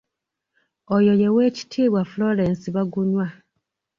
Oyo ye weekitiibwa Frolence Bagunywa.